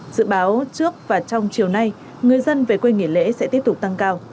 dự báo trước và trong chiều nay người dân về quê nghỉ lễ sẽ tiếp tục tăng cao